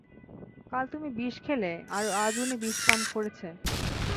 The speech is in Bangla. কাল তুমি বিষ খেলে আর আজ উনি বিষপান করেছে।